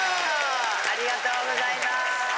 ありがとうございます！